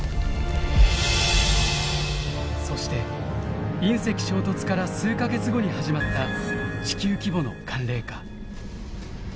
そして隕石衝突から数か月後に始まった地球規模の寒冷化。